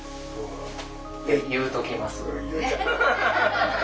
って言うときます。